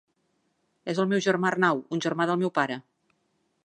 És el meu germà Arnau, un germà del meu pare.